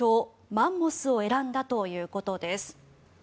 マンモスを選んだということです。